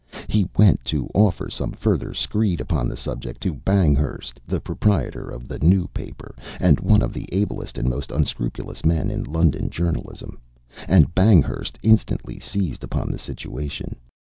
He went to offer some further screed upon the subject to Banghurst, the proprietor of the New Paper, and one of the ablest and most unscrupulous men in London journalism, and Banghurst instantly seized upon the situation.